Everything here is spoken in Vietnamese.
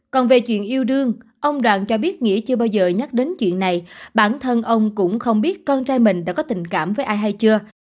còn về chuyện yêu đương ông đoàn cho biết nghĩa chưa bao giờ nhắc đến chuyện này bản thân ông cũng không biết con trai mình đã có tình cảm với ai hay chưa